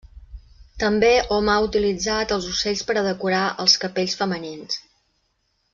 També hom ha utilitzat els ocells per a decorar els capells femenins.